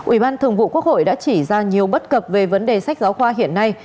ủy ban thường vụ quốc hội đã chỉ ra nhiều bất cập về vấn đề sách giáo khoa hiện nay